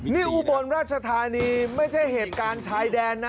นี่อุบลราชธานีไม่ใช่เหตุการณ์ชายแดนนะ